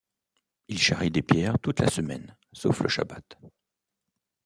Il charrie des pierres toute la semaine sauf le Shabbat.